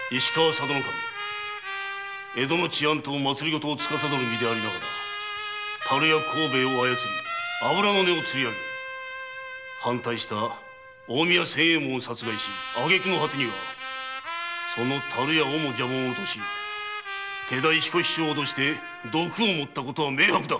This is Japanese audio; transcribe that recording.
江戸の治安と政を司る身でありながら樽屋甲兵衛を操り油の値をつりあげ反対した近江屋仙右衛門を殺害しあげくの果てにはその樽屋をも邪魔者にし手代・彦七を脅して毒を盛ったことは明白だ！